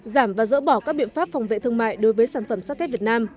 giảm và dỡ bỏ các biện pháp phòng vệ thương mại đối với sản phẩm sắt thép việt nam